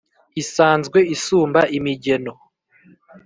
isanzwe isumba imigeno